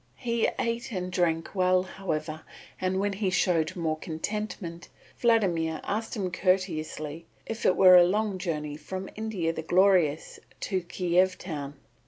He ate and drank well, however, and when he showed more contentment, Vladimir asked him courteously if it were a long journey from India the Glorious to Kiev town.